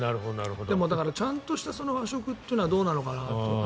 でも、ちゃんとした和食はどうなのかなと。